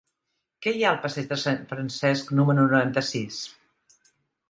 Què hi ha al passeig de Sant Francesc número noranta-sis?